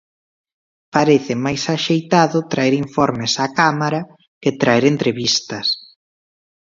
Parece máis axeitado traer informes á Cámara que traer entrevistas.